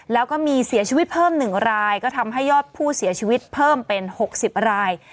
แล้วก็มีเสียชีวิตเพิ่ม๑รายก็ทำให้ยอดผู้เสียชีวิตเพิ่มเป็น๖๐ราย